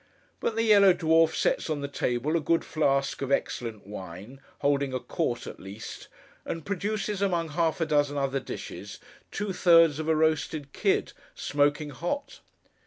But the yellow dwarf sets on the table a good flask of excellent wine, holding a quart at least; and produces, among half a dozen other dishes, two thirds of a roasted kid, smoking hot.